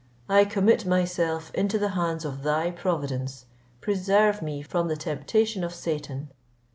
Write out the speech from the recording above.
I commit myself into the hands of thy providence, preserve me from the temptation of Satan."